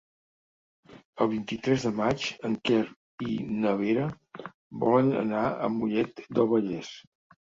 El vint-i-tres de maig en Quer i na Vera volen anar a Mollet del Vallès.